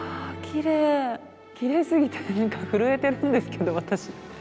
きれいすぎて何か震えてるんですけど私。